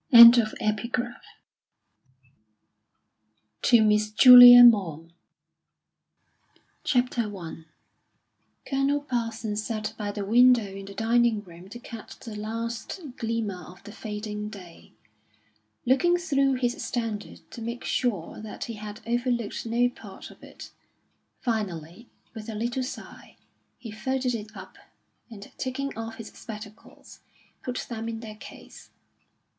By the same Author._ To MISS JULIA MAUGHAM THE HERO I Colonel Parsons sat by the window in the dining room to catch the last glimmer of the fading day, looking through his Standard to make sure that he had overlooked no part of it. Finally, with a little sigh, he folded it up, and taking off his spectacles, put them in their case.